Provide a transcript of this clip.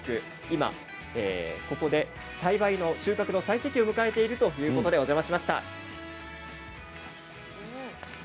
今ここで収穫の最盛期を迎えているということでお邪魔しました。